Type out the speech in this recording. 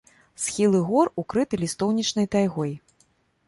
Схілы гор укрыты лістоўнічнай тайгой.